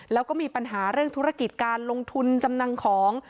แล้วก็มีปัญหาเรื่องธุรกิจการลงทุนจำนำของ